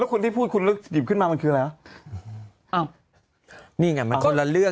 แล้วคุณที่พูดคุณสกริบขึ้นมาคืออะไรขึ้น